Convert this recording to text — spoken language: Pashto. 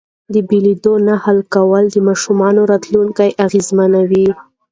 د بېلېدو نه حل کول د ماشوم راتلونکی اغېزمنوي.